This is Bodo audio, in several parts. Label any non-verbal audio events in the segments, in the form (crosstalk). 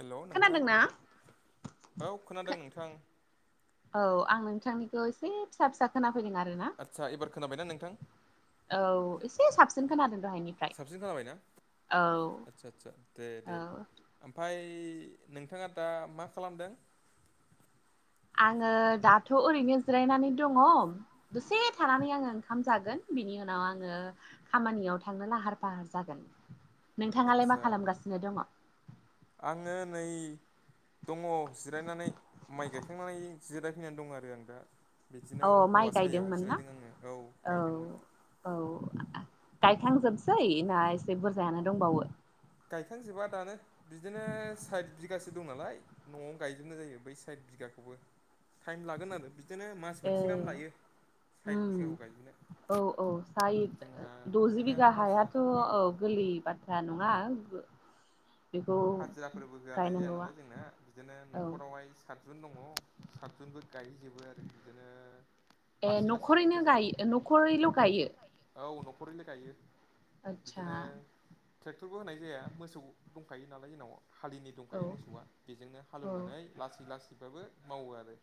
हेल' नोंथां खोनादोंना औ खोनादों नोंथां। औ आं नोंथांनिखौ एसे फिसा फिसा खोनाफैदों आरो ना। आदसा एबार खोनाबायना नोंथां? औ एसे साबसिन खोनादों दहायनिफ्राय। साबसिन जाबाय ना? औ औ। ओमफ्राय नोंथाङा दा मा खालामदों? आङो दाथ' ओरैनो जिरायनानै दङ। दसे थानानै आङो ओंखाम जागोन बिनि उनाव आङो खामानियाव थांनो लाहार फाहार जागोन। नोंथाङालाय मा खालामगासिनो दङ? आंङो नै दङ जिरायनानै माइ गायखांनानै जिरायफैनानै दं आरो आं दा बिदिनो औ औवा माइ सायायाव गायदोंमोन ना जिरायदों आङो औ गायदोंमोन औ गायखांजोबसै ना एसे बुरजायानो दंबावो गायखांजोबा दानो बिदिनो साइथ बिगासो दं नालाय न'आवनो गायजोबनाय जायो बै साइथ बिगाखौ हाय टाइम लागोन आरो बिदिनो मास ए मोनसे गाहाम लायो साइद बिगाखौ गायजोबनो औ औ साइ जोंहा द'जि बिदिनो बिगा हाया हाजिरा थ' औ गोरलै बाथ्रा नङा बेखौ हाजिराफोरबो होआनाय जाया गायनांगौआ नालाय जोंना बिदिनो औ न'खरावाइस सातजुन दङ सातजुनबो गायहैजोबो आरो बिदिनो ए लासै लासै न'खरैनो ग फोजोबो न'खरैल' गायो औ न'खरैल गायो आदसा बिदिनो ट्रेक्टरबो होनाय जाया मोसौ दं दंखायो नालाय जोंनाव हालिनि औ दंखायो मोसौआ बेजोंनो औ हालौवनानै लासै लासैबाबो मावो आरो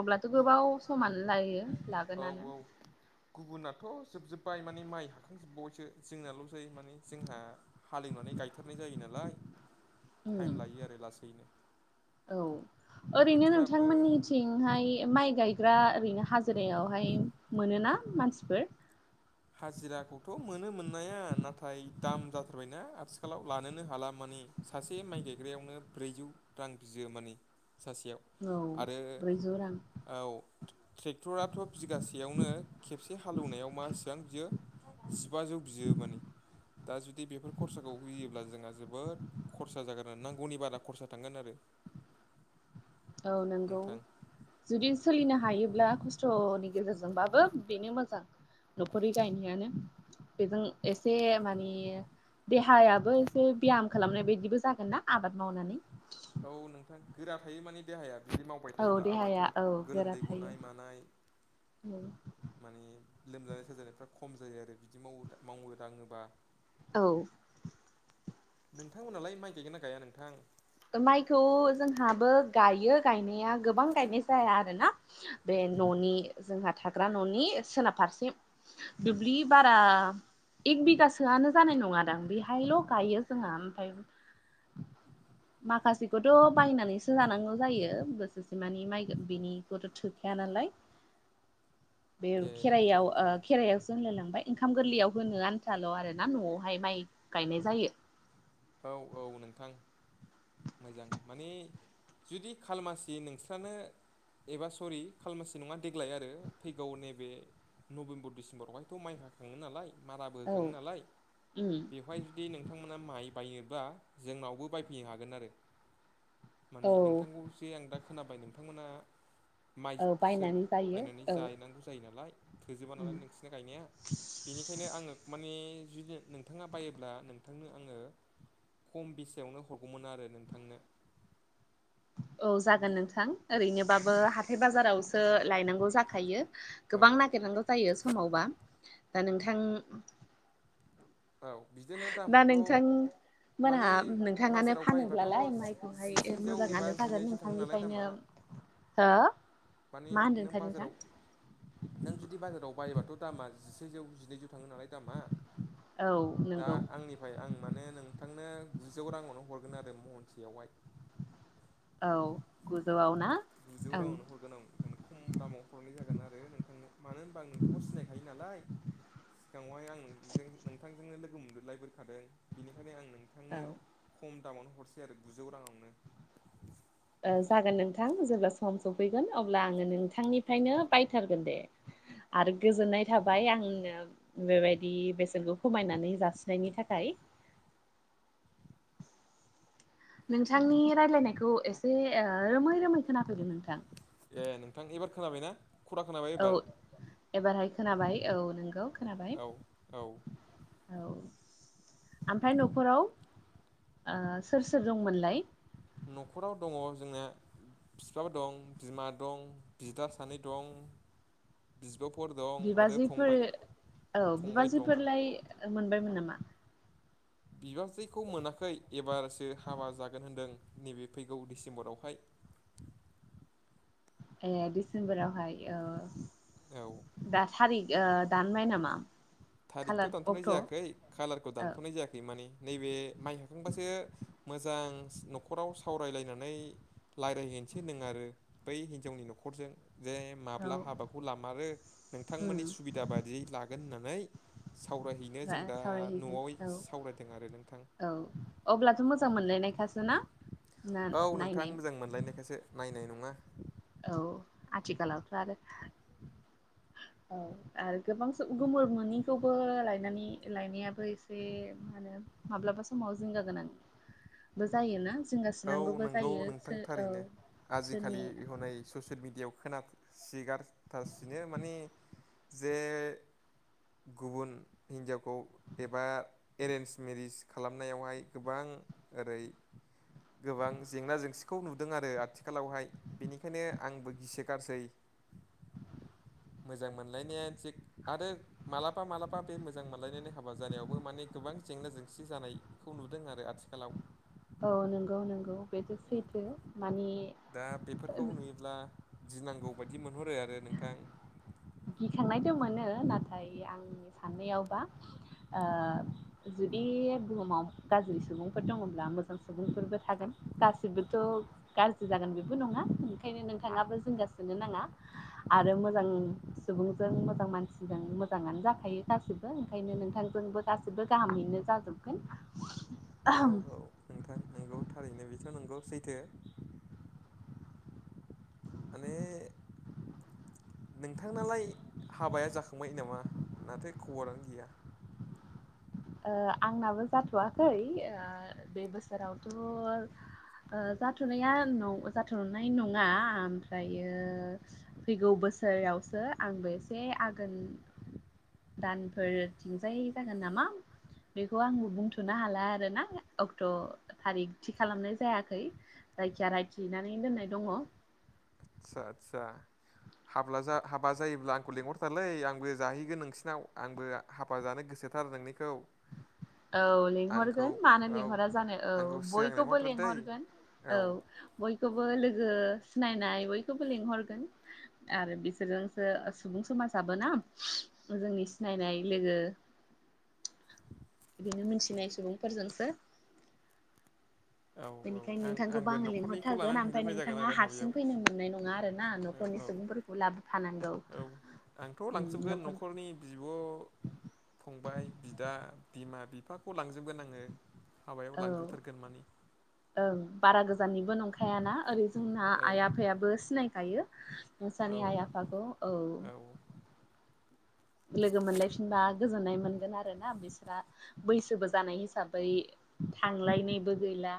अब्लाथ' गोबाव समान लायो औ लागोनानो औ गुबुनाथ' जोबजोब्बाय माने माइ हाखांजोबबावबायसो जोंनाल' जायो माने जोंहा हालेवनानै गायथारनाय जायो नालाय टाइम उम लायो आरो लासैनो औ ओरैनो बोथोराबो नोंथांमोननि थि थिंहाय माइ गायग्रा ओरैनो हाजिरायावहाय मोनोना मानसिफोर हाजिराखौथ' मोनो मोननाया नाथाय दाम जाथारबायना आथिखालाव लानोनो हाला मानि सासे माइ गायग्रायावनो ब्रैजौ रां बियो माने सासेयाव औ आरो ब्रैजौ रां औ ट्रेक्टराथ' बिगासेयावनो खेबसे हालेवनायाव मास बां बियो जिबाजौ बियो माने दा जुदि बेफोर खरसाखौ होयोब्ला जोंहा जोबोद खरसा जागोन नांगौनि बारा खरसा थांगोन आरो औ नोंगौ नोंथां जुदि सोलिनो हायोब्ला खस्थ'नि गेजेरजोंबाबो बेनो मोजां न'खरि गायनायानो बेजों एसे मानि देहायाबो एसे ब्याम खालामनाय बायदिबो जागोन ना आबाद मावनानै औ नोंथां गोरा थायो माने देहाया बिदि मावबाय औ थायोब्ला देहाया आबादफोर औ गोलोमदै गनाय मानाय औ माने लोमजानाय साजानायफ्रा खम जायो आरो बिदि मावो मावो दाङोबा औ नोंथांमोनालाय माइ गायगोन ना गाया नोंथां माइखौ जोंहाबो गायो गायनाया गोबां गायनाय जाया आरो ना बे न'नि जोंहा थाग्रा न'नि सोनाब फारसे दुब्लि बारा एक बिगासोआनो जानाय नङा दां बेहायल' गायो जोंहा ओमफाय माखासेखौथ' बायनानैसो जानांगौ जायो बोसोसेमानि माइ बिनि खौथ' थोखाया नालाय (inaudible) बे खेराइायाव ओ नोंथां खेराइायाव जोनलाय लांबाय ओंखाम गोरलैयाव होनो आन्थाल' आरोना न'आवहाय माइ गायनाय जायो औ औ नोंथां मोजां माने जुदि खालमासि नोंस्रानो एबा सरि खालमासि नङा देग्लाय आरो फैगौ नैबे नभेब्बर डिसिम्बरावहायथ' माइ हाखाङो नालाय माराबो होखाङो औ नालाय उम बेवहाय जुदि नोंथांमोना माइ बायोबा जोंनावबो बायफैयो हागोन आरो औ माने नोंथांखौ जे आं दा खोनाबाय नोंथांमोना माइ औ सोर बायनानै जायो बायनानै औ जनांगौ जायो नालाय थोजोबा उम नालाय नोंसिना गायनाया बिनिखायनो आङो माने जुदि नोंथाङा बायोब्ला नोंथांनो आङो खम बेसेयावनो हरगौमोन आरो नोंथांनो औ बि जागोन नोंथां ओरैनोबाबो हाथाय बाजारावसो लायनांगौ जाखायो औ गोबां नागिरनांगौ जायो समावबा दा नोंथां औ बिदिनो ना दामफ्राथ' नोंथां माने मोनहा नोंथाङानो बाजाराव बायोबाथ' फानोब्लालाय माइखौहाय जिसेजौ एबा मोजाङानो जागोन जिनैजौ थाङो नालाय दामा नोंथांनिफायनो हो? माने बिदिनो नोंथां बाजाराव नों जुदि बाजाराव बायोबाथ' दामा जिसेजौ जिनैजौ थाङो नालाय दामा औ दा नंगौ आंनिफाय आं माने नोंथांनो गुजौ राङावनो हरगोन आरो महनसेयावहाय औ गुजौआव ना गुजौ ओं राङावनो हरगोन आं थांनो खम दामाव हरनाय जागोन आरो नोंथांनो मानो होमबा आं नोंथांखौ सिनायखायो नालाय सिगाङावहाय आं नोंजों नोंथांजोंनो लोगो मोनग्रोलायबोखादों बिनिखायनो आं नों औ नोंथांनो खम दामावनो हरसै आरो गुजौ राङावनो ओ जागोन नोंथां जेब्ला सम सफैगोन अब्ला आङो नोंथांनिफ्रायनो बायथारगोन दे (unintelligible) आरो गोजोननाय थाबाय आंनो बेबायदि बेसेनखौ खमायनानै जासिनायनि थाखाय नोंथांनि रायलायनायखौ एसे ओ रोमै रोमै खोनाफैदों नोंथां ए नोंथां एबार खोनाबायना? खरा खोनाबाय औ एबार एबारहाय खोनाबाय औ नोंगौ खोनाबाय औ औ औ ओमफ्राय न'खराव ओ सोर सोर दंमोनलाय? न'खराव दङ जोंना बिफाबो दं बिमा दं बिदा सानै दं बिब' फोर दं आरो बिबाजैफोर फंबाय औ फंबाय दं बिबाजैफोरलाय मोनबायमोन नामा? बिबाजैखौ मोनाखै एबारसो हाबा जागोन होनदों नैबे फैगौ डिसेम्बरावहाय ए डिसेम्बरावहाय औ औ दा थारिख ओ दानबाय नामा? थारिखथ' खालार दानथ'नाय अक्ट' ओ जायाखै खाालारखौ दानथ'नाय जायाखै माने नैबे माइ हाखांबासो मोजां न'खराव सावरायलायनानै रायज्लायहैनोसै होनदों आरो बै हिन्जावनि न'खरजों जे औ माब्ला हाबाखौ लामारो नोंथांमोननि उम सुबिदा बायदियै लागोन होननानै सावरायहैनो जों दा सावरायहैगोन न'आव औ सावरायदों आरो नोंथां औ अब्लाथ' मोजां मोनलायनायखासो ना? ना औ नोंथां नायनाय मोजां मोनलायनायखासो नायनाय नङा। औ आथिखालावथ' आरो (unintelligible) औ आरो गोबां गोमुर मोनिखौबो लायनानै लायनायाबो एसे मा होनो माब्लाबा समाव जिंगा गोनांबो जायोना औ जिंगासिनांगौबो नंगौ जायो औ सोरनि बेखौनै ससियेल मिडियाव खोना सिगारथासिनो माने जे गुबुन हिन्नजावखौ एबा एरेन्ज मेरिस खालामनायावहाय गोबां ओरै गोबां जेंना जेंसिखौ नुदों आरो आथिखालावहाय बेनिखायनो आंबो गिसि गारसै मोजां मोनलायनायानो थिग आरो मालाबा मालाबा बे मोजां मोनलायनाय हाबा जानायावबो माने गोबां जेंना जेंसि जानाय खौ नुदों आरो आथिखालाव औ नंगौ नंगौ बेथ' सैथो मानि दा बेफोरखौ नुयोब्ला गिनांगौ बायदि मोनहरो आरो नोंथां गिखांनायथ' मोनो नाथाय आंनि साननायावबा ओ जुदि बुहुमाव गाज्रि सुबुंफोर दङब्ला मोजां सुबुंफोरबो थागोन गासिबोथ' गाज्रि जागोन बेबो नङा ओंखायनो नोंथाङाबो जिंगासिनो नाङा आरो मोजां सुबुंजों मोजां मानसिजों मोजाङानो जाखायो गासिबो ओंखायनो नोंथांजोंबो गासिबो गाहामैनो जाजोबो औ औ नोंथां नंगौ थारैनो बेथ' नंगौ सैथो माने नोंथांनालाय हाबाया जाखांबाय नामा माथो खबरानो गैया ओ आंनाबो जाथ'वाखै ओ बे बोसोरावथ' ओ जाथ'नाया जाथ'नाय नङा ओमफ्रायो फैगौ बोसोरावसो आंबो एसे आघोन दानफोरथिंजाय जागोन नामा? बेखौ आंबो बुंथ'नो हाला आर ना अक्ट' थारिख थि खालामनाय जायाखै। जायखिया रायथिनानै दोननाय दङ। आतसा आतसा हाब्ला हाबा जायोब्ला आंखौ लिंहरथारलै आंबो जाहैगोन नोंसिनाव आंबो हाबा जानो गोसोथार नोंनिखौ औ आंखौ लेंहरगोन मानो औ लिंहरा जानो औ आंखौ सिगां बयखौबो लेंहरथार दै लेंहरगोन। औ बयखौबो लोगो सिनायनाय बयखौबो लेंहरगोन। आरो बिसोरजोंसो सुबुं समाजाबोना जोंनि सिनायनाय लोगो (inaudible) बिदिनो मोनथिनाय सुबुंफोरजोंसो औ औ बेनिखायनो आं नोंथांखौबो आंबो आङो न'खरनिखौ लिंहरथारगोन लानानै ओमफ्राय थांजोबनाय जागोन नोंथाङा आरो हाबायाव हारसिं फैनो मोननाय नङा आरो ना औ न'खरनि औ सुबुंफोरखौ लाबोफानांगौ औ आंथ' उम लांजोबगोन न'खर न'खरनि बिब' फंबाय बिदा बिमा बिफाखौ लांजोबगोन आङो। हाबायाव औ लांग्रोबथारगोन मानि ओं बारा गोजाननिबो नंखायाना ओरै जोंना औ आइ आफायाबो सिनायखायो। नोंसानि आइ आफाखौ औ। लोगो मोनलायफिनबा गोजोननाय मोनगोन आरो ना बिसोरा बैसोबो जानाय हिसाबै थांलायनायबो गैला।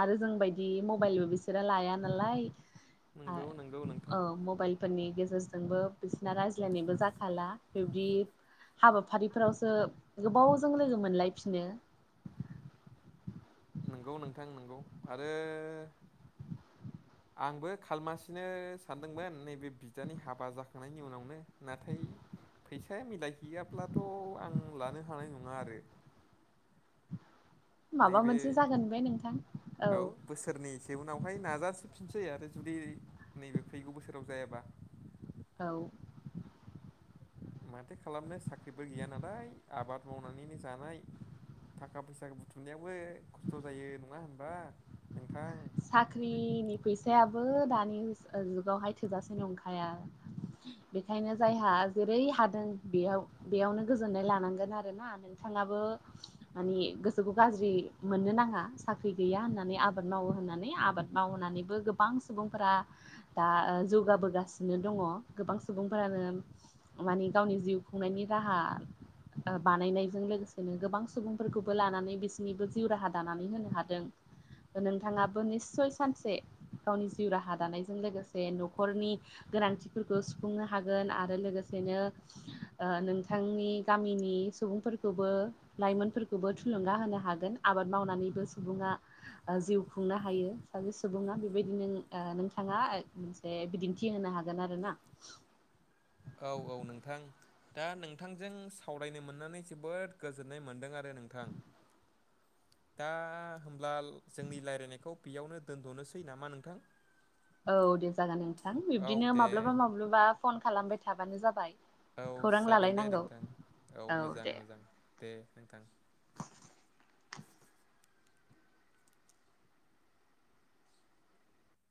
आरो जोंबायदि मबाइलबो बिसोरो लाया नालाय नंगौ नंगौ नोंथां औ मबाइलफोरनि गेजेरजोंबो बिसिना रायज्लायनायबो जाख फाला बिब्दि हाबाफारिफोरावसो गोबावजों लोगो मोनलायफिनो। नंगौ नोंथां नंगौ आरो (inaudible) आंबो खालमासिनो सानदोंमोन नैबे बिदानि हाबा जाखांनायनि उनावनो नाथाय फैसाया मिलायहैयाब्लाथ' आं लानो हानाय नङा आरो। माबा नैबे मोनसे जागोन बे नोंथां औ बोसोरनैसो उनावहाय नाजासिफिनसै आरो जुदि नैबे फैगौ बोसोराव जायाबा। औ माथो खालामनो साख्रिफोर गैया नालाय आबाद मावनानैनो जानाय। थाखा फैसा बुथुमनायावबो खस्थ' जायो नङा होनबा नोंथां? साख्रिनि फैसायाबो दानि जुगावहाय थोजासे नंखाया। बेखायनो जायहा जेरै हादों बेयाव बेयावनो गोजोननाय लानांगोन आरो ना। नोंथाङाबो मानि गोसोखौ गाज्रि मोननो नाङा साख्रि गैया होननानै आबाद मावो होनना नानै आबाद मावनानैबो गोबां सुबुंफोरा दा जौगाबोगासिनो दङ गोबां सुबुंफोरानो मानि गावनि जिउ खुंनायनि राहा बानायनायजों लोगोसेनो गोबां सुबुंफोरखौबो लानानै बिसिरनिबो जिउ राहा दानानै होनो हादों। नोंथाङाबो निस्सय सानसे गावनि जिउ राहा दानायजों लोगोसे न'खरनि गोनांथिफोरखौ सुफुंनो हागोन आरो लोगोसेनो नोंथांनि गामिनि सुबुंफोरखौबो लाइमोनफोरखौबो थुलुंगा होनो हागोन आबाद मावनानैबो सुबुङा जिउ खुंनो हायो सासे सुबुङा बेबायदि न नोंथाङा मोनसे बिदिन्थि होनो हागोन आरो ना। औ औ नोंथां दा नोंथांजों सावरायनो मोननानै जोबोद गोजोननाय मोन्दों आरो नोंथां। दा होमब्ला जोंनि रायज्लायनायखौ बेयावनो दोन्थ'नोसै नामा नोंथां? औ दे जागोन नोंथां औ बिब्दिनो दे माब्लाबा माब्लाबा फन खालामबाय थाबानो जाबाय। औ खौरां जागोन दे लालायनांगौ नोंथां औ मोजां मोजां दे नोंथां